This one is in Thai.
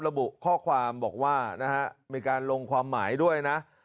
ระบุข้อความบอกว่านะฮะมีการลงความหมายด้วยนะ